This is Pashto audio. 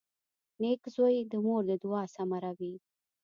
• نېک زوی د مور د دعا ثمره وي.